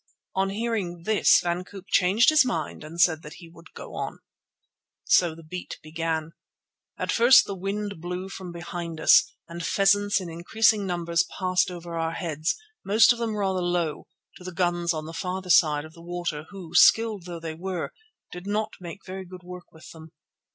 On hearing this Van Koop changed his mind and said that he would go on. So the beat began. At first the wind blew from behind us, and pheasants in increasing numbers passed over our heads, most of them rather low, to the guns on the farther side of the water, who, skilled though they were, did not make very good work with them.